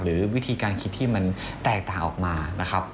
หรือวิธีการคิดที่มันแตกต่างออกมานะครับ